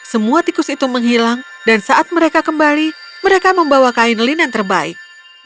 semua tikus itu menghilang dan saat mereka kembali mereka membawa kain linen terbaik